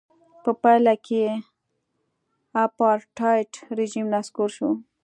په پایله کې اپارټایډ رژیم نسکور شو.